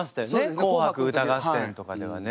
「紅白歌合戦」とかではね。